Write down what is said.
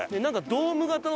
ドーム型の。